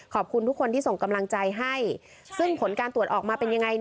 ขอบคุณทุกคนที่ส่งกำลังใจให้ซึ่งผลการตรวจออกมาเป็นยังไง